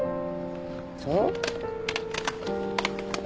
そう？